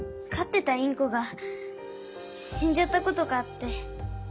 てたインコがしんじゃったことがあって。